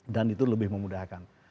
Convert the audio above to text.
dan itu lebih memudahkan